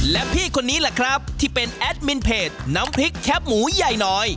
และพี่คนนี้แหละครับที่เป็นแอดมินเพจน้ำพริกแคปหมูใหญ่น้อย